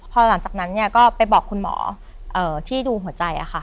พอหลังจากนั้นเนี้ยก็ไปบอกคุณหมอเอ่อที่ดูหัวใจอะค่ะ